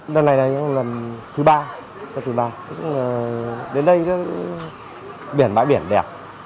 lần này là lần thứ ba đến đây bãi biển đẹp